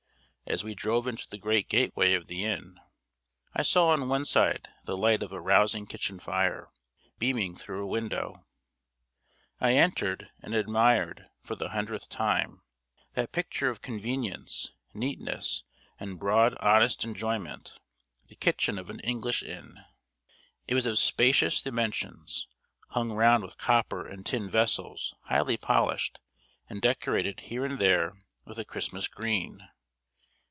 As we drove into the great gateway of the inn, I saw on one side the light of a rousing kitchen fire, beaming through a window. I entered, and admired, for the hundredth time, that picture of convenience, neatness, and broad honest enjoyment, the kitchen of an English inn. It was of spacious dimensions, hung round with copper and tin vessels highly polished, and decorated here and there with a Christmas green.